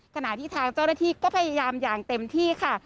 ขณะที่ทางเจ้าหน้าที่ก็พยายามอย่างเต็มที่ค่ะ